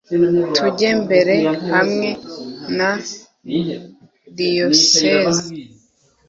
tujye mbere hamwe na diyosezi